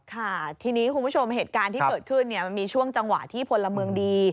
ค่ะทีนี้คุณผู้ชมเหตุการณ์ที่เกิดขึ้นมันมีช่วงจังหวะที่พลเมืองดี